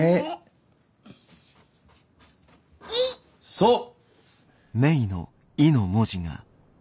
そう！